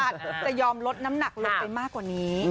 จะยอมลดน้ำหนักลงไปมากกว่านี้